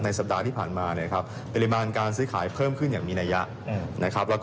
สัปดาห์ที่ผ่านมาเนี่ยครับปริมาณการซื้อขายเพิ่มขึ้นอย่างมีนัยยะนะครับ